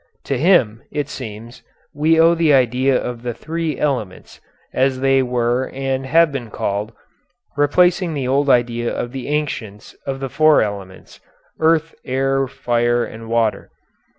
To him, it seems, we owe the idea of the three 'elements,' as they were and have been called, replacing the old idea of the ancients of the four elements earth, air, fire, and water.